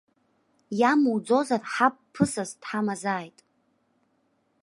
Иамуӡозар, ҳаб ԥызас дҳамазааит.